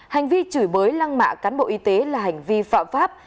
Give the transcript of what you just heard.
hành vi chửi bới lăng mạ cán bộ y tế là hành vi phạm pháp